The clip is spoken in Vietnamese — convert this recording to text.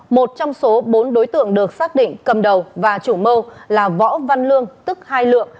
một trong số bốn đối tượng được xác định cầm đầu và chủ mưu là võ văn lương tức hai lượng